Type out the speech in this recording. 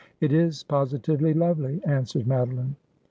' It is positively lovely,' answered Madoline.